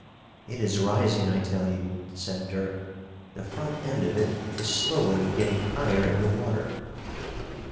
"It is rising, I tell you!" said Dirk. "The front end of it is slowly getting higher in the water!"